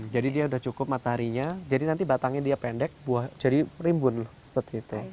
jadi dia udah cukup mataharinya jadi nanti batangnya dia pendek jadi rimbun seperti itu